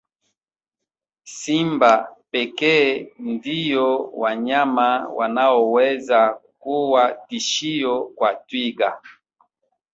Simba pekee ndio wanyama wanaoweza kuwa tishio kwa twiga